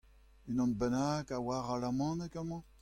Unan bennak a oar alamaneg amañ ?